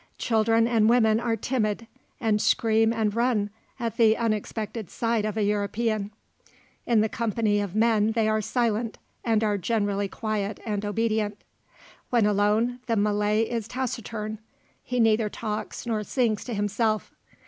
Children and women are timid, and scream and run at the unexpected sight of a European. In the company of men they are silent, and are generally quiet and obedient. When alone the Malay is taciturn; he neither talks nor sings to himself.